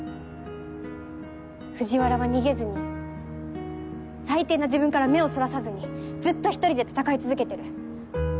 藤原は逃げずに最低な自分から目をそらさずにずっと一人で闘い続けてる。